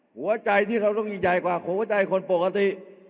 หัวใจที่เราต้องยิ่งใหญ่กว่าหัวใจคนปกติ